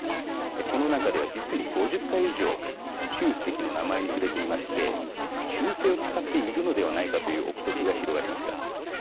この中では実に５０回以上習主席の名前に触れていまして忠誠を誓っているのではないかという憶測が広がりました。